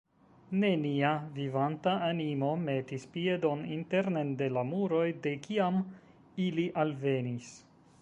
Nenia vivanta animo metis piedon internen de la muroj, de kiam ili alvenis.